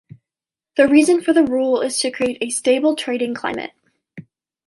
The reason for the rule is to create a stable trading climate.